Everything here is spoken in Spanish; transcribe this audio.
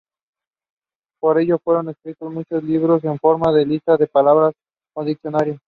Por ello, fueron escritos muchos libros en forma de lista de palabras o diccionario.